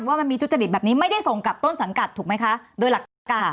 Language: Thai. ว่ามันมีทุจริตแบบนี้ไม่ได้ส่งกับต้นสังกัดถูกไหมคะโดยหลักการ